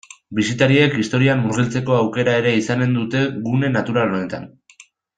Bisitariek historian murgiltzeko aukera ere izanen dute gune natural honetan.